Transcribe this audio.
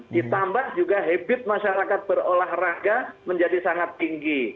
ditambah juga habit masyarakat berolahraga menjadi sangat tinggi